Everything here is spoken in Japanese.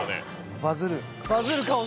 バズる。